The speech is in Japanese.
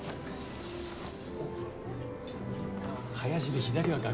林で左は崖。